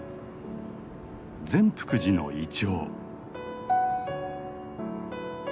善福寺のイチョウ。